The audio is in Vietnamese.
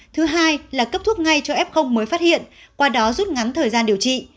thứ hai là cấp thuốc ngay cho f mới phát hiện qua đó rút ngắn thời gian điều trị